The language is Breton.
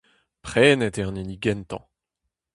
Prennet eo an hini gentañ.